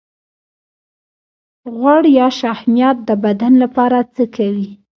غوړ یا شحمیات د بدن لپاره څه کوي